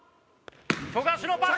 富樫のパス！